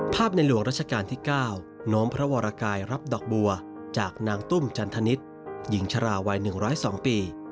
ในหลวงรัชกาลที่๙น้อมพระวรกายรับดอกบัวจากนางตุ้มจันทนิษฐ์หญิงชราวัย๑๐๒ปี